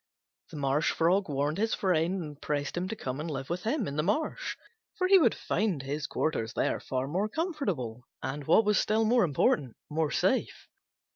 The Marsh Frog warned his friend and pressed him to come and live with him in the marsh, for he would find his quarters there far more comfortable and what was still more important more safe.